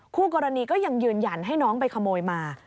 คู่กรณีก็ยังยืนยันให้น้องไปขโมยมา